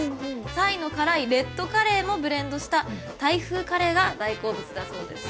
タイの辛いレッドカレーもブレンドしたタイ風カレーが大好物だそうです。